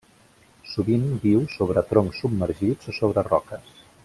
Sovint viu sobre troncs submergits o sobre roques.